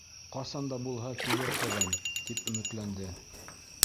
Ҡасан да булһа килер ҡыҙым, тип өмөтләнде.